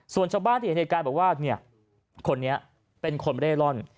ส่วนชาวบ้านที่เห็นเหตุการณ์บอกว่าเนี่ยคนนี้เป็นคนเร่ร่อน